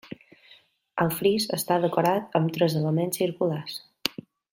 El fris està decorat amb tres elements circulars.